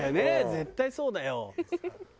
絶対そうだよ。